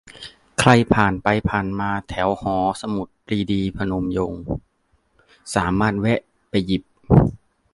ใครผ่านไปผ่านมาแถวหอสมุดปรีดี พนมยงค์ สามารถแวะไปหยิบ